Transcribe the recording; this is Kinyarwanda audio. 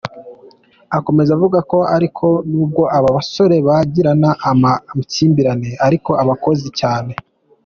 Akomeza avuga ko ariko nubwo aba basore bagirana amakimbirane, ari abakozi cyane.